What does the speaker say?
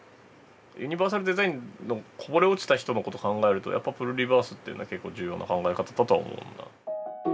ユニバーサルデザインのこぼれ落ちた人のことを考えるとやっぱプリュリバースっていうのは結構重要な考え方だとは思うんだ。